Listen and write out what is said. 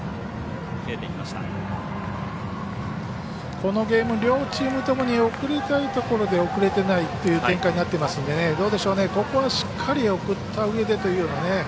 このゲーム両チームともに送りたいところで送れていないという展開になってますのでここはしっかり送ったうえでというようなね。